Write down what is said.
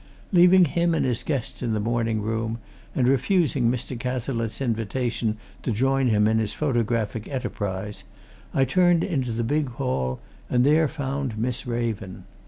Leaving him and his guests in the morning room and refusing Mr. Cazalette's invitation to join him in his photographic enterprise, I turned into the big hall and there found Miss Raven.